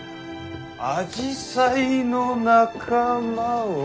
アジサイの仲間は。